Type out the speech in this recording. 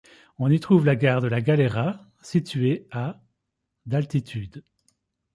On y trouve la gare de La Galera, située à d'altitude.